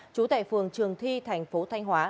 chú tại phường trường thi tp thanh hóa